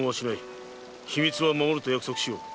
秘密は守ると約束しよう。